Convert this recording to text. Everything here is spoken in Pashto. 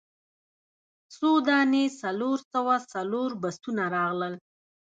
څو دانې څلور سوه څلور بسونه راغلل.